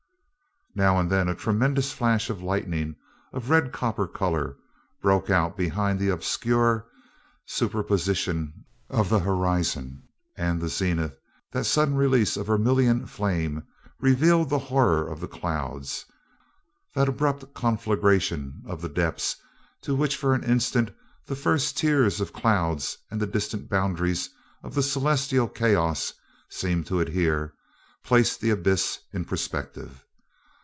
Now and then a tremendous flash of lightning of a red copper colour broke out behind the obscure superposition of the horizon and the zenith; that sudden release of vermilion flame revealed the horror of the clouds; that abrupt conflagration of the depths, to which for an instant the first tiers of clouds and the distant boundaries of the celestial chaos seemed to adhere, placed the abyss in perspective.